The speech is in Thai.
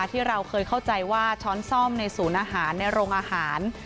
ที่เราเคยเข้าใจว่าช้อนซ่อมในศูนย์อาหารในโรงอาหาร